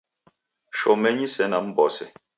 Shomenyi sena mmbose